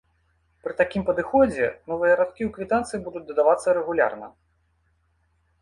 Пры такім падыходзе новыя радкі ў квітанцыі будуць дадавацца рэгулярна.